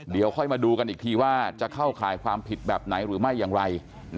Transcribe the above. เดี๋ยวค่อยมาดูกันอีกทีว่าจะเข้าข่ายความผิดแบบไหนหรือไม่อย่างไร